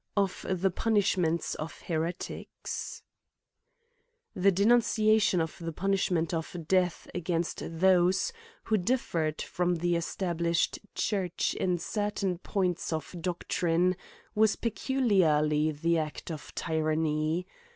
OJ^ the Punishments of Heretic^, THE denunciation of the punishment of death agaiinst those who differed from the established church in certain points of doctrine, was peculiarly the act of tyranny.